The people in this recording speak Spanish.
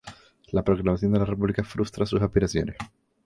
La proclamación de la República frustra sus aspiraciones.